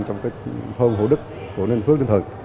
trong phương hữu đức của ninh phước đức thuận